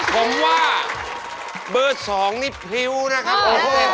ผมว่าเบอร์๒นี่พริ้วนะครับ